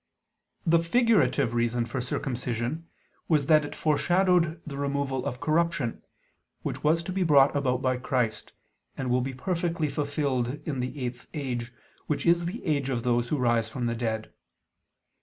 The figurative reason for circumcision was that it foreshadowed the removal of corruption, which was to be brought about by Christ, and will be perfectly fulfilled in the eighth age, which is the age of those who rise from the dead.